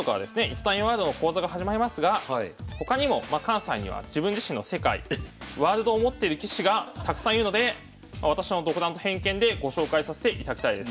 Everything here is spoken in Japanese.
糸谷ワールドの講座が始まりますが他にも関西には自分自身の世界ワールドを持っている棋士がたくさんいるので私の独断と偏見でご紹介させていただきたいです。